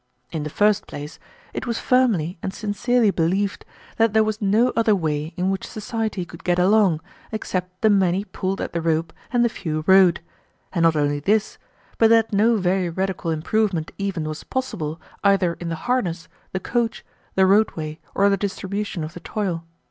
In the first place, it was firmly and sincerely believed that there was no other way in which Society could get along, except the many pulled at the rope and the few rode, and not only this, but that no very radical improvement even was possible, either in the harness, the coach, the roadway, or the distribution of the toil.